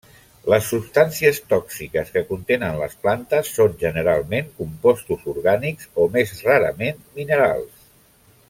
Les substàncies tòxiques que contenen les plantes són generalment compostos orgànics o més rarament minerals.